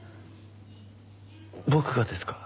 僕がですか？